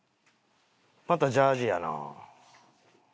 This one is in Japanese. またジャージやな。